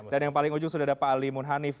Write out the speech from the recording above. dan yang paling ujung sudah ada pak ali munhanif